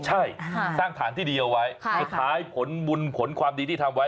ใช่สร้างฐานที่ดีเอาไว้สุดท้ายผลบุญผลความดีที่ทำไว้